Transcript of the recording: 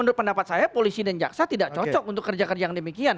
menurut pendapat saya polisi dan jaksa tidak cocok untuk kerja kerja yang demikian